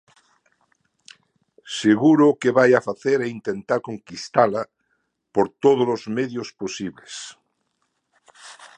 Seguro que vai a facer e intentar conquistala por todos os medios posibles.